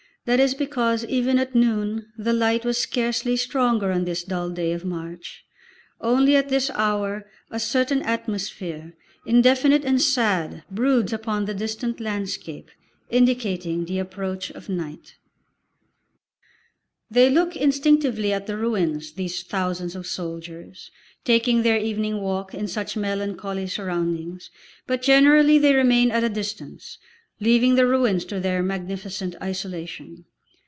That is because even at noon the light was scarcely stronger on this dull day of March; only at this hour a certain atmosphere, indefinite and sad, broods upon the distant landscape, indicating the approach of night. They look instinctively at the ruins, these thousands of soldiers, taking their evening walk in such melancholy surroundings, but generally they remain at a distance, leaving the ruins to their magnificent isolation.